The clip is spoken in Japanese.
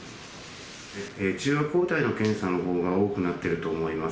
中和抗体の検査のほうが多くなってると思います。